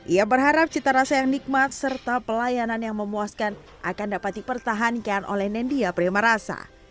ia berharap cita rasa yang nikmat serta pelayanan yang memuaskan akan dapat dipertahankan oleh nendia prima rasa